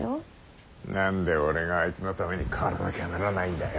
何で俺があいつのために変わらなきゃならないんだよ。